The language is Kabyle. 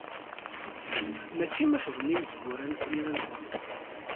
Mačči ma ccḍen imezwura, nekkni ad nkemmel.